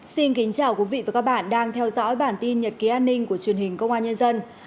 xin kính chào quý vị và các bạn đang theo dõi bản tin nhật ký an ninh của truyền hình công an nhân dân